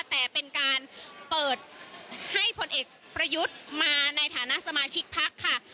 แต่เป็นการเปิดให้ผลเอกประยุทธ์มาในฐานะสมาชิกพักค่ะ